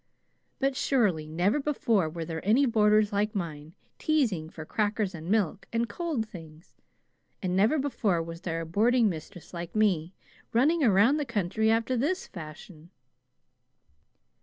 "But, surely, never before were there any boarders like mine teasing for crackers and milk and cold things; and never before was there a boarding mistress like me running around the country after this fashion!"